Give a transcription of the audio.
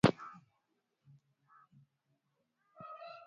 baraza kuu la umoja wa mataifa lilitoa takwimu ya usikilizaji wa redio